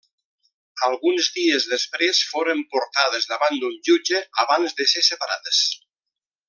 Alguns dies després foren portades davant d'un jutge abans de ser separades.